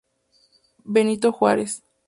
Benito Juárez;.